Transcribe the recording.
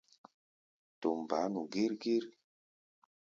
Tum baá nu gír-gír.